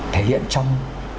thể hiện trong